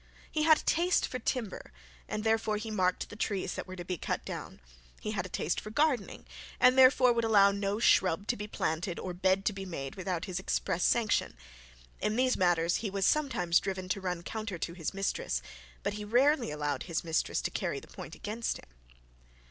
He had a taste for timber, and therefore he marked the trees that were to be cut down; he had a taste for gardening, and would therefore allow no shrub to be planted or bed to be made without his express sanction. In these matters he was sometimes driven to run counter to his mistress, but he rarely allowed his mistress to carry the point against him.